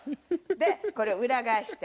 でこれを裏返して。